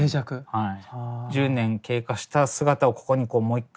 はい。